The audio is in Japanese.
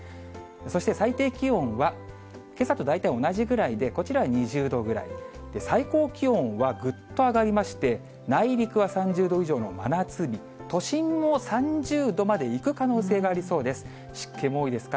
そして最低気温は、けさと大体同じぐらいで、こちらは２０度ぐらい、最高気温はぐっと上がりまして、内陸は３０度以上の真夏日、都心も３０度までいく可能性がありそうです。